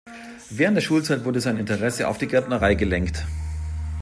Während der Schulzeit wurde sein Interesse auf die Gärtnerei gelenkt.